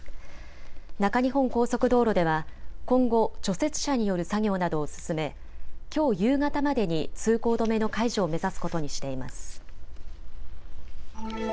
中日本高速道路では今後、除雪車による作業などを進めきょう夕方までに通行止めの解除を目指すことにしています。